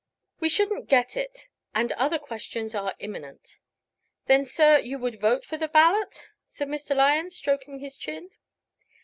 We shouldn't get it. And other questions are imminent." "Then, sir, you would vote for the ballot?" said Mr. Lyon, stroking his chin.